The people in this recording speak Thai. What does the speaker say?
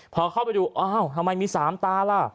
พอเข้าไปดูอ้าวทำไมมี๓ตาล่ะ